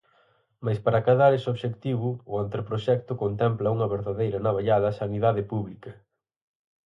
Mais para acadar ese obxectivo, o anteproxecto contempla unha verdadeira navallada á sanidade pública.